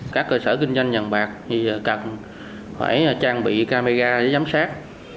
các cơ sở kinh doanh vàng bạc thì cần phải trang bị camera để giám sát